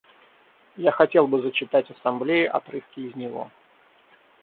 Я хотел бы зачитать Ассамблее отрывки из него.